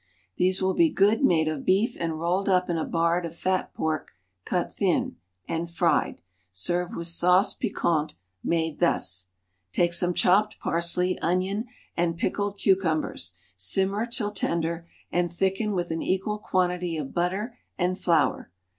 These will be good made of beef and rolled up in a bard of fat pork cut thin, and fried; serve with sauce piquant made thus: Take some chopped parsley, onion, and pickled cucumbers, simmer till tender, and thicken with an equal quantity of butter and flour.